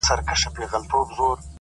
ریښتینی رهبر الهام ورکوي’